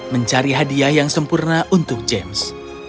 mencari hadiah yang sempurna untuk james